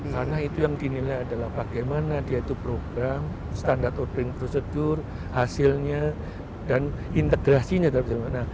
karena itu yang dinilai adalah bagaimana dia itu program standar ording procedure hasilnya dan integrasinya